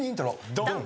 ドン！